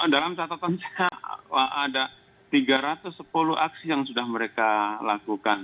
dalam catatan saya ada tiga ratus sepuluh aksi yang sudah mereka lakukan